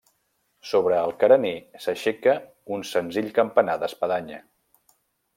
Sobre el carener s'aixeca un senzill campanar d'espadanya.